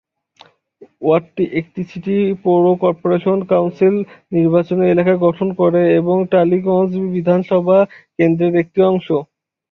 ওয়ার্ডটি একটি সিটি পৌর corporation council নির্বাচনী এলাকা গঠন করে এবং টালিগঞ্জ বিধানসভা কেন্দ্রর একটি অংশ।